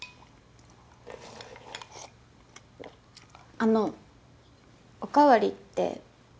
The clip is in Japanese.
あのおかわりって。